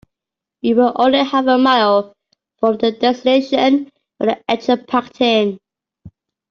We were only half a mile from the destination when the engine packed in.